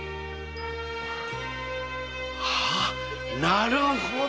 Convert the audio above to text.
なるほど。